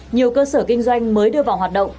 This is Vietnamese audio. nhiều cơ sở kinh doanh mới đưa vào hoạt động